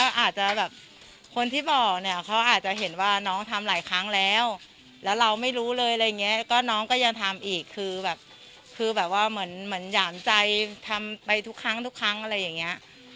อาจจะแบบคนที่บอกเนี่ยเขาอาจจะเห็นว่าน้องทำหลายครั้งแล้วแล้วเราไม่รู้เลยอะไรอย่างเงี้ยก็น้องก็ยังทำอีกคือแบบคือแบบว่าเหมือนเหมือนหยามใจทำไปทุกครั้งทุกครั้งอะไรอย่างเงี้ย